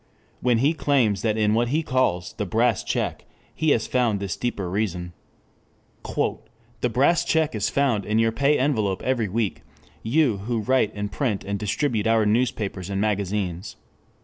_] when he claims that in what he calls "The Brass Check" he has found this deeper reason: "The Brass Check is found in your pay envelope every week you who write and print and distribute our newspapers and magazines.